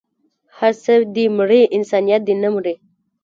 هر څه دې مري انسانيت دې نه مري